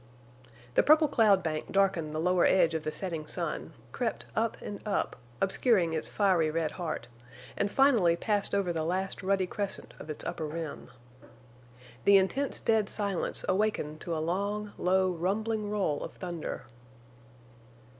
The purple cloud bank darkened the lower edge of the setting sun, crept up and up, obscuring its fiery red heart, and finally passed over the last ruddy crescent of its upper rim. The intense dead silence awakened to a long, low, rumbling roll of thunder.